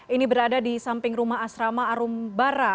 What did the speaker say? ini berada di samping rumah asrama arumbara